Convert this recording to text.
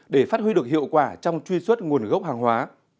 để phát huy được hiệu quả trong truy xuất nguồn gốc hàng hóa